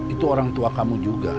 itu orang tua kamu juga